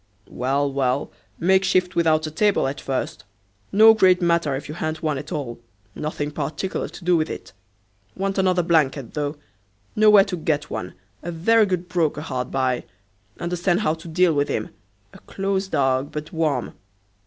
"Well, well, make shift without a table at first; no great matter if you ha'n't one at all, nothing particular to do with it. Want another blanket, though. Know where to get one; a very good broker hard by. Understand how to deal with him! A close dog, but warm."